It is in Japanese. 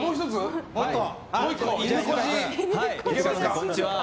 こんにちは。